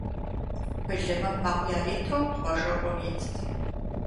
Былымым мэкъу яриту Хъуэжэ Ӏуэм итт.